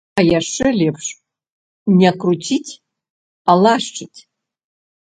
А яшчэ лепш не круціць, а лашчыць!